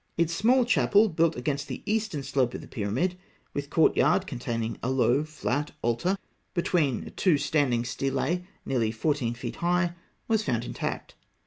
Its small chapel, built against the eastern slope of the pyramid, with courtyard containing a low flat altar between two standing stelae nearly 14 feet high, was found intact.